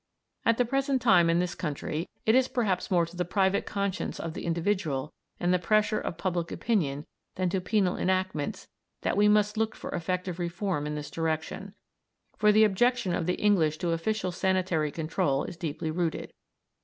At the present time, in this country, it is perhaps more to the private conscience of the individual and the pressure of public opinion than to penal enactments that we must look for effective reform in this direction, for the objection of the English to official sanitary control is deeply rooted.